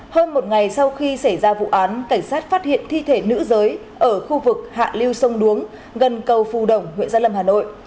hơn một ngày sau khi xảy ra vụ án cảnh sát phát hiện thi thể nữ giới ở khu vực hạ lưu sông đuống gần cầu phù đồng huyện gia lâm hà nội